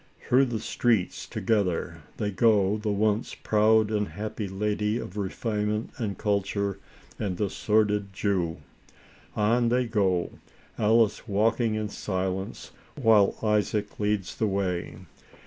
Through the streets together go the once proud and happy 112 ALICE ; OR, THE WAGES OF SIN. lady of refinement and culture and the sordid Jew. On they go, Alice walking in silence, while Isaac leads the way.